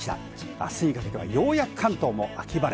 あすにかけてはようやく関東も秋晴れ。